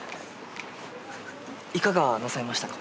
いかがなさいましたか？